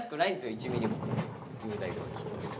１ミリも雄大くんはきっと。